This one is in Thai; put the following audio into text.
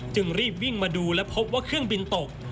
จึงรีบวิ่งมาดูและพบว่าเครื่องบินตก